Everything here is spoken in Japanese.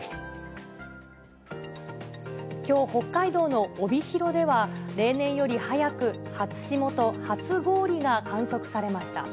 きょう、北海道の帯広では、例年より早く初霜と初氷が観測されました。